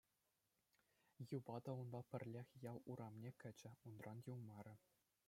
Юпа та унпа пӗрлех ял урамне кӗчӗ, унран юлмарӗ.